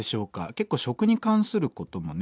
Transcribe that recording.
結構食に関することもね